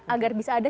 agar bisa ada